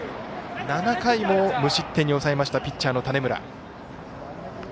７回も無失点に抑えたピッチャーの種村。